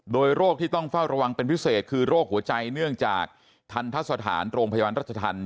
โดยโรคที่ต้องเฝ้าระวังเป็นพิเศษคือโรคหัวใจเนื่องจากทันทะสถานโรงพยาบาลรัชธรรม